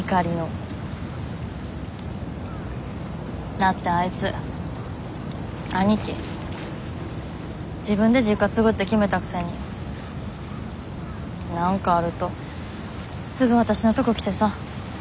だってあいつ兄貴自分で実家継ぐって決めたくせに何かあるとすぐわたしのとこ来てさ。